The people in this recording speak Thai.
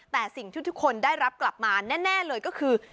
แต่สิ่งที่ทุกคนได้รับกลับมาแน่เลยก็คือ